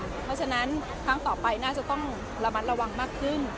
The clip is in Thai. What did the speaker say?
เพราะฉะนั้นครั้งต่อไปน่าจะต้องระมัดระวังมากขึ้น